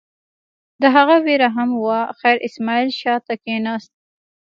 د هغه وېره هم وه، خیر اسماعیل شا ته کېناست.